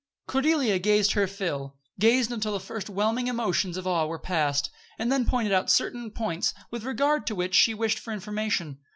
Cordelia gazed her fill gazed until the first whelming emotions of awe were past, and then pointed out certain points with regard to which she wished for information.